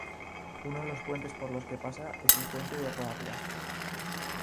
Uno de los puentes por los que pasa es el puente de Roa-Riaza.